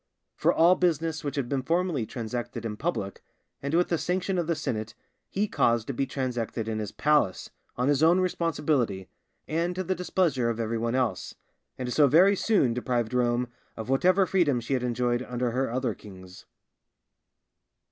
For all business which formerly had been transacted in public, and with the sanction of the senate, he caused to be transacted in his palace, on his own responsibility, and to the displeasure of every one else, and so very soon deprived Rome of whatever freedom she had enjoyed under her other kings.